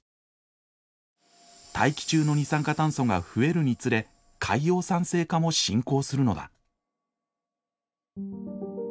大気中の二酸化炭素が増えるにつれ海洋酸性化も進行するのだ。